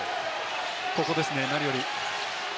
ここですね、何より。